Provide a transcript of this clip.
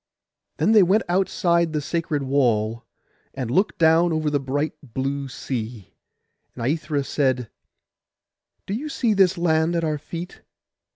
Then they went outside the sacred wall, and looked down over the bright blue sea; and Aithra said— 'Do you see this land at our feet?